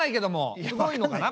すごいのかな？